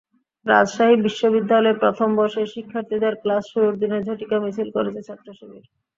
রাজশাহী বিশ্ববিদ্যালয়ে প্রথম বর্ষের শিক্ষার্থীদের ক্লাস শুরুর দিনে ঝটিকা মিছিল করেছে ছাত্রশিবির।